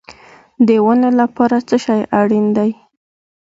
د ونو لپاره څه شی اړین دی؟